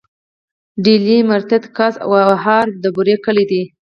ډيلی، مرتت، کڅ او وهاره د بوري کلي دي.